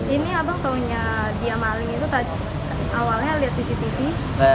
ini abang taunya diamali itu awalnya lihat cctv